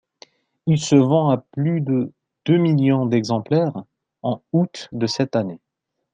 Il se vend à plus de deux millions d'exemplaires en août de cette année.